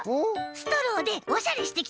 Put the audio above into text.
ストローでおしゃれしてきたんだ！